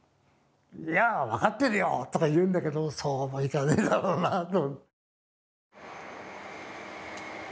「いや分かってるよ」とか言うんだけどそうもいかねえだろうなあと。